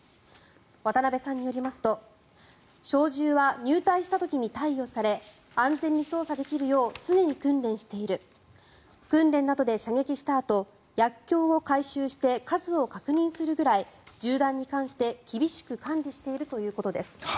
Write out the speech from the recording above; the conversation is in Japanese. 渡部さんによりますと小銃は入隊した時に貸与され安全に操作できるよう常に訓練している訓練などで射撃したあと薬きょうを回収して数を確認するぐらい銃弾に関して厳しく管理しているということです。